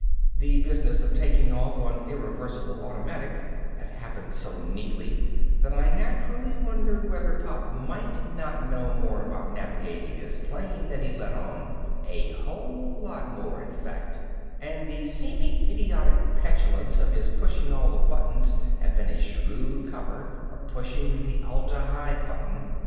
The business of taking off on irreversible automatic had happened so neatly that I naturally wondered whether Pop might not know more about navigating this plane than he let on, a whole lot more in fact, and the seemingly idiotic petulance of his pushing all the buttons have been a shrewd cover for pushing the Atla Hi button.